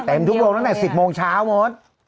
ทุกโรงตั้งแต่๑๐โมงเช้าหมด